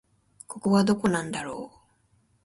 ここはどこなんだろう